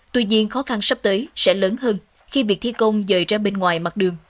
tuy nhiên khó khăn sắp tới sẽ lớn hơn khi việc thi công rời ra bên ngoài mặt đường